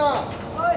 はい。